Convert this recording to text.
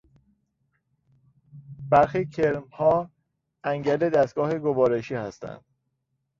برخی کرمها انگل دستگاه گوارشی هستند.